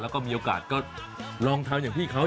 แล้วก็มีโอกาสก็ลองทำอย่างพี่เขา